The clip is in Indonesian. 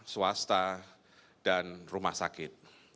swasta dan rumah sakit